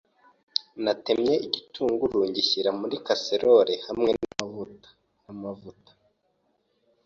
Natemye igitunguru ndagishyira muri casserole hamwe namavuta namavuta.